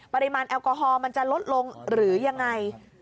ปริมาณแอลกอฮอลมันจะลดลงหรือยังไง